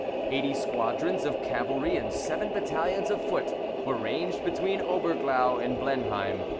Eighty squadrons of cavalry and seven battalions of foot were ranged between Oberglau and Blenheim.